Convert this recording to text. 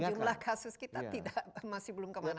karena jumlah kasus kita masih belum kemana mana